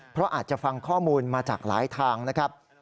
เพราะอาจจะฟังข้อมูลมาจากหลายทางนะครับ